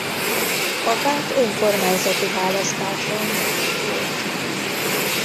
A párt önkormányzati választáson nem indult.